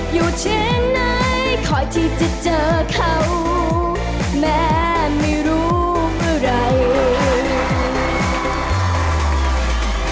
อยู่ที่ไหนขอที่จะเจอเขาแม่ไม่รู้เมื่อไหร่